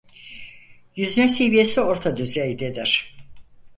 Yüzme seviyesi orta düzeydedir.